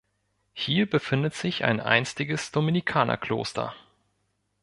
Hier befindet sich ein einstiges Dominikanerkloster.